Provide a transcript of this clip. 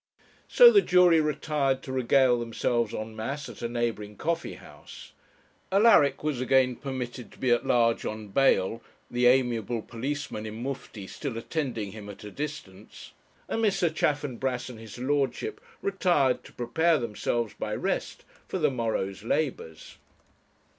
So the jury retired to regale themselves en masse at a neighbouring coffee house; Alaric was again permitted to be at large on bail (the amiable policeman in mufti still attending him at a distance); and Mr. Chaffanbrass and his lordship retired to prepare themselves by rest for the morrow's labours.